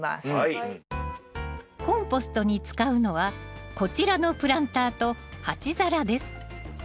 コンポストに使うのはこちらのプランターと鉢皿です。